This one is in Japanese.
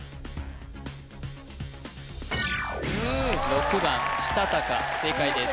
６番したたか正解です